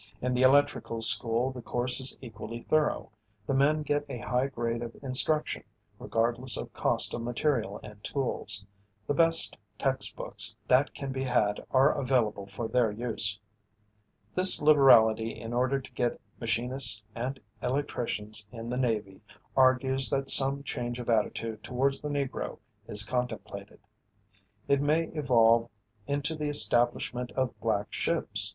In the electrical school the course is equally thorough. The men get a high grade of instruction, regardless of cost of material and tools. The best text books that can be had are available for their use. This liberality in order to get machinists and electricians in the Navy, argues that some change of attitude towards the Negro is contemplated. It may evolve into the establishment of "black ships."